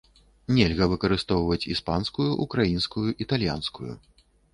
Нельга выкарыстоўваць іспанскую, украінскую, італьянскую.